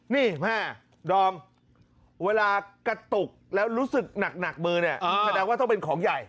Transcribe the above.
นี่แม่ดอมเวลากระตุกแล้วรู้สึกหนักมือเนี่ยแสดงว่าต้องเป็นของใหญ่